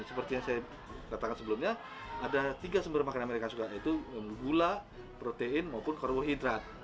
seperti yang saya katakan sebelumnya ada tiga sumber makanan yang mereka suka yaitu gula protein maupun karbohidrat